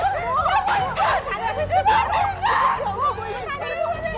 kenapa dia gak ada disini